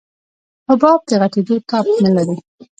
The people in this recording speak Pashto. حباب د غټېدو تاب نه لري.